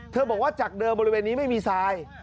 บอกว่าจากเดิมบริเวณนี้ไม่มีทราย